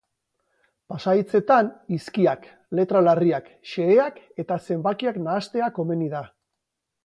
Pasahitzetan hizkiak, letra larriak, xeheak eta zenbakiak nahastea komeni da.